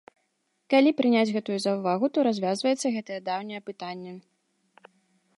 Калі прыняць гэтую заўвагу, то развязваецца гэтае даўняе пытанне.